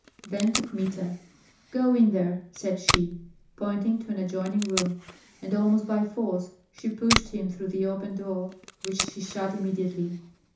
Then to Kmita: "Go in there," said she, pointing to an adjoining room; and almost by force she pushed him through the open door, which she shut immediately.